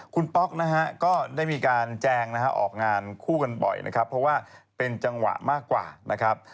คุณป๊อกนะฮะก็ได้มีการแจงนะฮะออกงานคู่กันบ่อยนะครับเพราะว่าเป็นจังหวะมากกว่านะครับ